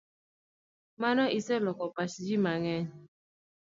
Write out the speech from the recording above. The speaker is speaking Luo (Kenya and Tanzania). Mano oseloko pach ji mang'eny.